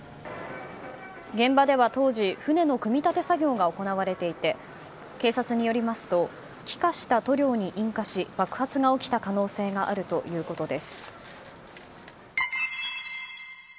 現場では当時船の組み立て作業が行われていて警察によりますと気化した塗料に引火し爆発が起きた可能性があるということです。